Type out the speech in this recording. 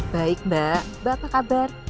baik mbak mbak apa kabar